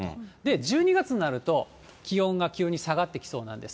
１２月になると、気温が急に下がってきそうなんです。